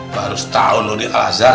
baru setahun lo di al azhar